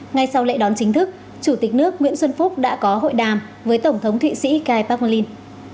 ngay sau lễ đón chính thức chủ tịch nước nguyễn xuân phúc đã có hội đàm với tổng thống thụy sĩ gai park nguyen linh